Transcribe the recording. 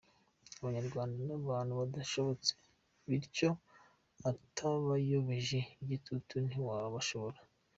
Abanyarwanda n’abantu badashobotse bityo utabayoboje igitugu ntiwabashobora